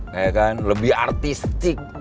kayak kan lebih artistik